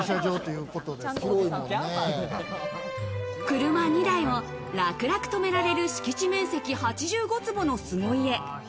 車２台を楽々止められる敷地面積８５坪の凄家。